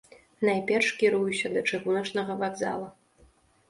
Найперш кіруюся да чыгуначнага вакзала.